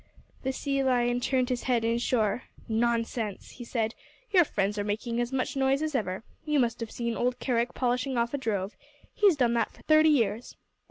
The Sea Lion turned his head inshore. "Nonsense!" he said. "Your friends are making as much noise as ever. You must have seen old Kerick polishing off a drove. He's done that for thirty years."